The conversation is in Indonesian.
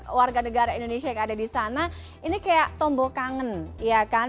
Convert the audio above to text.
kalau warga negara indonesia yang ada di sana ini kayak tombol kangen ya kan